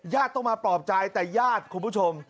ต้องมาปลอบใจแต่ญาติคุณผู้ชม